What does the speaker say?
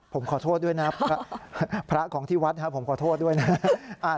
ผมขอโทษด้วยนะพระของที่วัดผมขอโทษด้วยนะ